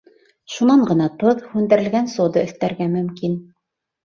Шунан ғына тоҙ, һүндерелгән сода өҫтәргә мөмкин.